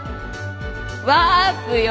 ワープよ。